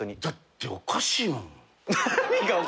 だっておかしいもん。